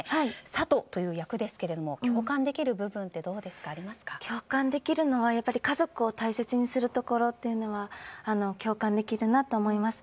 佐都という役ですけれども共感できる部分は家族を大切にするところは共感できるなと思います。